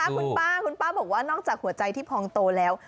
คุณป้าคุณป้าบอกว่านอกจากหัวใจที่พองโตแล้ว